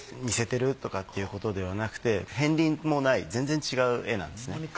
似せてるとかっていうことではなくて片鱗もない全然違う絵なんですね。